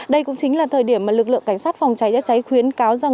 đây cũng chính là thời điểm mà lực lượng cảnh sát phòng cháy chữa cháy khuyến cáo rằng